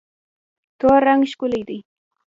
تور رنګ ښکلی دی.